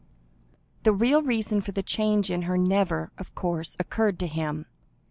The real reason for the change in her never, of course, occurred to him.